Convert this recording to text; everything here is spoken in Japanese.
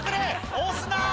押すな！」